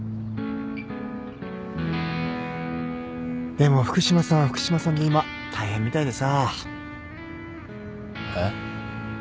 でも福島さんは福島さんで今大変みたいでさ。